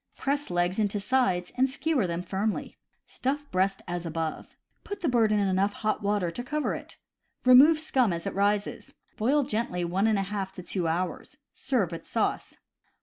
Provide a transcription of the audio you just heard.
Press legs into sides and skewer them firmly. Stuff breast as above. Put the bird into enough hot water to cover it. Remove scum as it rises. Boil gently one and one half to two hours. Serve with sauce.